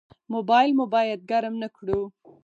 موبایل مو باید ګرم نه کړو.